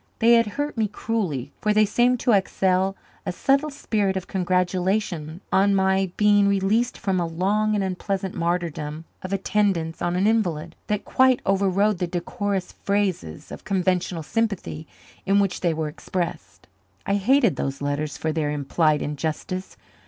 They had hurt me cruelly, for they seemed to exhale a subtle spirit of congratulation on my being released from a long and unpleasant martyrdom of attendance on an invalid, that quite overrode the decorous phrases of conventional sympathy in which they were expressed. I hated those letters for their implied injustice.